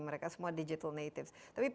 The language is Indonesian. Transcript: mereka semua digital native